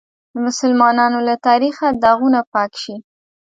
د مسلمانانو له تاریخه داغونه پاک شي.